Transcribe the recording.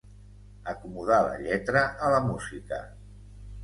Acomodar la lletra a la música.